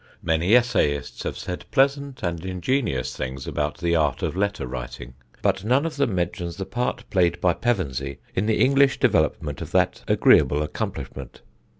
Many essayists have said pleasant and ingenious things about the art of letter writing; but none of them mentions the part played by Pevensey in the English development of that agreeable accomplishment.